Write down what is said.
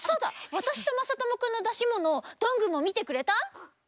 わたしとまさともくんのだしものどんぐーもみてくれた？